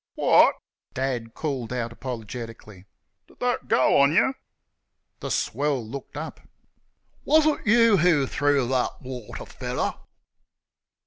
"Wot!" Dad called out apologetically, "dud thet go on y'?" The swell looked up. "Was it you threw that watah, fellah?"